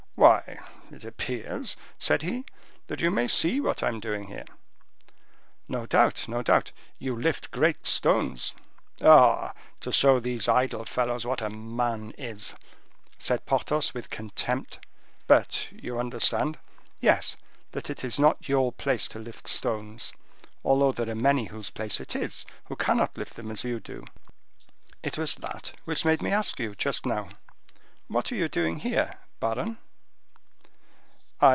"Why, it appears," said he, "that you may see what I am doing here." "No doubt, no doubt, you lift great stones." "Oh! to show these idle fellows what a man is," said Porthos, with contempt. "But you understand—" "Yes, that is not your place to lift stones, although there are many whose place it is, who cannot lift them as you do. It was that which made me ask you, just now. What are you doing here, baron?"